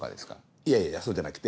いやいやそうじゃなくて。